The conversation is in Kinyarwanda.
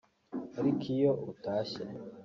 Ariko iyo utashye